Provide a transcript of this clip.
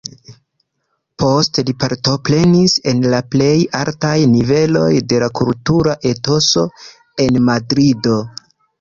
Poste li partoprenis en la plej altaj niveloj de la kultura etoso en Madrido.